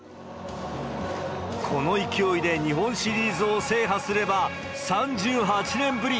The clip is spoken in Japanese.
この勢いで日本シリーズを制覇すれば、３８年ぶり。